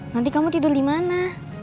nanti kamu tidur dimana